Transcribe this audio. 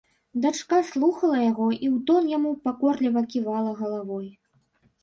Дачка слухала яго і ў тон яму пакорліва ківала галавой.